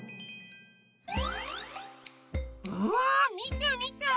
うわみてみて！